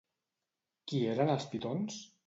Qui eren els pitons?